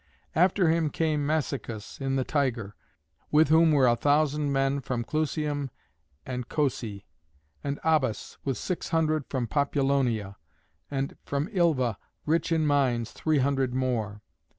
After him came Massicus, in the Tiger, with whom were a thousand men from Clusium and Cosæ; and Abas, with six hundred from Populonia; and from Ilva, rich in mines, three hundred more.